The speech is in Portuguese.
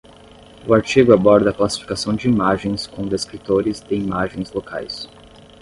O artigo aborda a classificação de imagens com descritores de imagens locais.